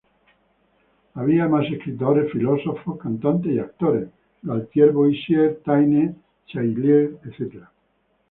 Había más escritores, filósofos, cantantes y actores: Galtier-Boissiere, Taine, Seailles...etc.